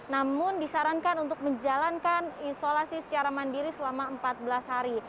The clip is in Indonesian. namun disarankan untuk menjalankan isolasi secara mandiri selama empat belas hari